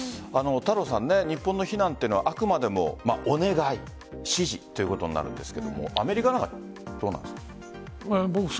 日本の避難というのはあくまでもお願い、指示ということになるんですがアメリカはどうなんですか？